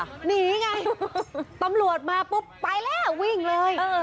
หนีไงตำรวจมาปุ๊บไปแล้ววิ่งเลย